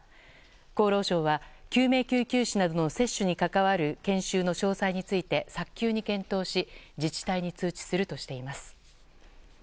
厚労省は救急救命士などの接種に関わる研修の詳細について早急に検討し自治体に通知するとしています。